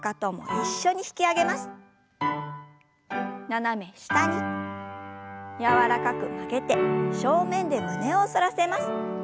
斜め下に柔らかく曲げて正面で胸を反らせます。